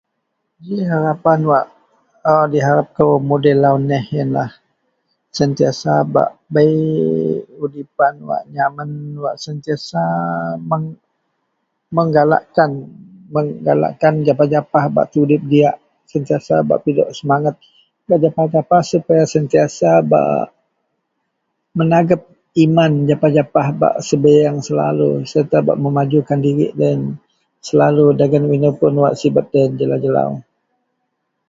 Harapan wak diharep kou mudei lau neh iyenlah sentiasa bak bei udipan wak nyamen wak sentiasa meng menggalakkan menggalakkan japah-japah bak tudip diyak sentiasa bak pidok semanget gak japah-japah supaya sentiasa bak mengagep iman japah-japah bak sebiyeng selalu serta bak memajukan dirik loyen selalu ino puon sibek loyen jelau-jelau.